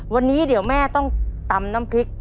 วันนี้เดี๋ยวแม่ต้องตำน้ำพริก